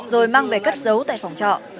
rồi mang về cất dấu tại phòng trọ